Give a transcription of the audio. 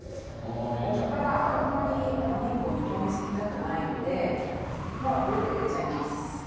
ここから、あんまりお肉を煮込みすぎたくないのでもうルーを入れちゃいます。